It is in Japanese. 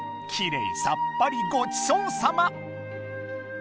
きれいさっぱりごちそうさま！